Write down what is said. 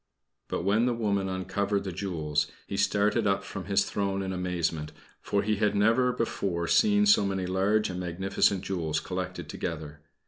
But when the woman uncovered the jewels, he started up from his throne in amazement, for he had never before seen so many large and magnificent jewels collected together.